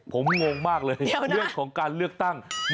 ผมงงมากเลยเหลือกของการเลือกตั้งเดี๋ยวนะ